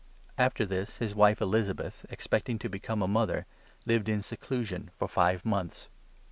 After this his wife, Elizabeth, expecting to become a mother, 24 lived in seclusion for five months.